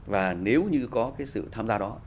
và nếu như có cái sự tham gia đó